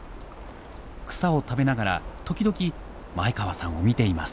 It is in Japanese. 草を食べながら時々前川さんを見ています。